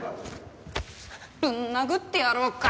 ぶん殴ってやろうか！